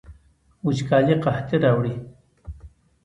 وچکالي قحطي راوړي